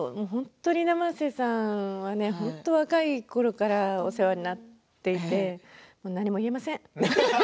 生瀬さんは本当に若いころからお世話になっていて何も言えません。